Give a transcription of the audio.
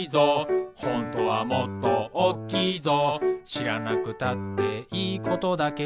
「しらなくたっていいことだけど」